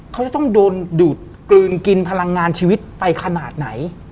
เขาจะต้องโดนดูดกลืนกินพลังงานชีวิตไปขนาดไหน